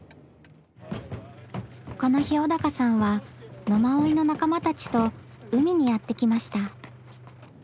この日小鷹さんは野馬追の仲間たちと海にやって来ました。